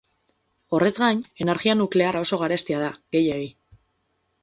Horrez gain, energia nuklearra oso garestia da, gehiegi.